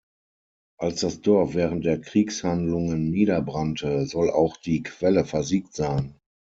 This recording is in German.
Als das Dorf während der Kriegshandlungen niederbrannte, soll auch die Quelle versiegt sein.